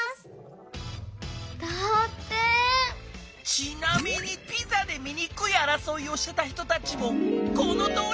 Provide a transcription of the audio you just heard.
ちなみにピザでみにくいあらそいをしてた人たちもこのとおり！